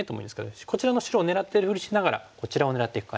こちらの白を狙ってるふりしながらこちらを狙っていく感じです。